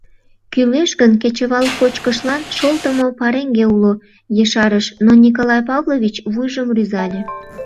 «Кӱлеш гын, кечывал кочкышлан шолтымо пареҥге уло», — ешарыш, но Николай Павлович вуйжым рӱзале.